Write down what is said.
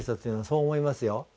そう思いますよ。